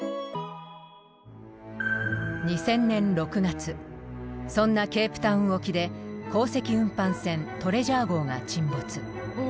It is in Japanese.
２０００年６月そんなケープタウン沖で鉱石運搬船トレジャー号が沈没。